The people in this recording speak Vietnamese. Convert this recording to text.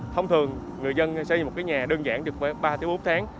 thông thường người dân xây một cái nhà đơn giản được ba bốn tháng